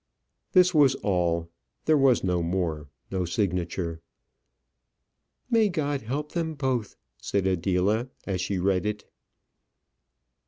This was all. There was no more; no signature. "May God help them both!" said Adela as she read it.